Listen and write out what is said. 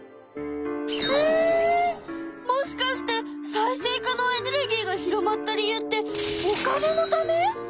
もしかして再生可能エネルギーが広まった理由ってお金のため？